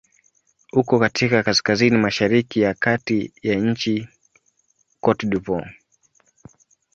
Uko katika kaskazini-mashariki ya kati ya nchi Cote d'Ivoire.